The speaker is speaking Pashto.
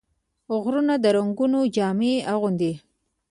غرونه د رنګونو جامه اغوندي